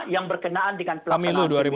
yang berkenaan dengan pelaksanaan pemilu